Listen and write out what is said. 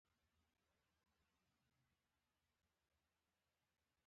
دلته يې له وريښمو ټال جوړ کړی دی